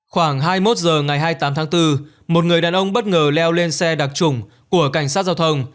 khoảng hai mươi một h ngày hai mươi tám tháng bốn một người đàn ông bất ngờ leo lên xe đặc trùng của cảnh sát giao thông